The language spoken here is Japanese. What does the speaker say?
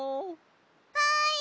はい！